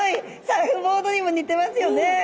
サーフボードにも似てますよね。